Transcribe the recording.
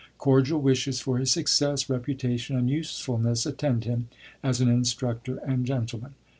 Cordial wishes for his success, reputation, and usefulness attend him, as an instructor and gentleman.